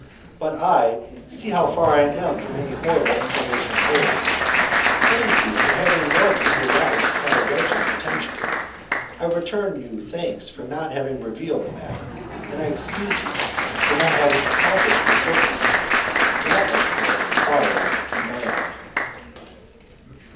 But I (see how far I am from any horrible inclination towards,) praise you for having once in your life had a righteous intention; I return you thanks for not having revealed the matter; and I excuse you for not having accomplished your purpose. That exploit required a man.